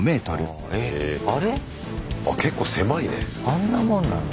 あんなもんなの？